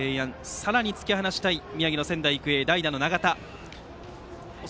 さらに突き放したい宮城の仙台育英代打の永田がバッターボックス。